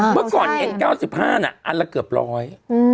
เมื่อก่อนเห็น๙๕น่ะอันละเกือบร้อย